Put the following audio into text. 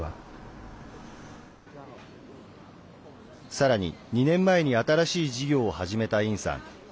さらに、２年前に新しい事業を始めた殷さん。